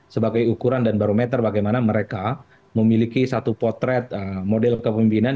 sebagai ukuran dan barometer bagaimana mereka memiliki satu potret model kepemimpinan